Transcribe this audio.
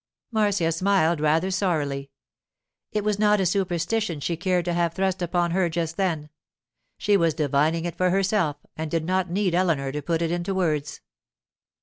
Marcia smiled rather sorrily. It was not a superstition she cared to have thrust upon her just then. She was divining it for herself, and did not need Eleanor to put it into words.